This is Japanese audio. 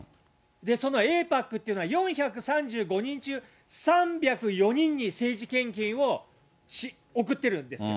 そのエイパックっていうのは４３５人中３０４人に政治献金をおくってるんですよ。